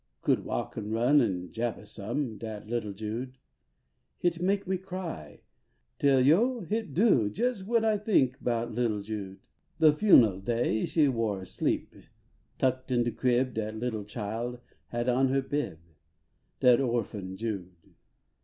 Could walk an run an jabbah some, Dat little Jude. Hit make me cry, Tale yo hit do, jes when I tink Bout little Jude, De fun al day she war asleep, Tuckt in de crib, dat little chile Had on her bib dat orfin Jude.